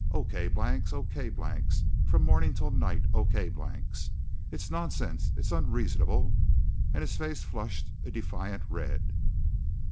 O. K. blanks, O. K. blanks. From mornin' 'til night O. K. blanks. It's nonsinse! It's onraisonable!" And his face flushed a defiant red.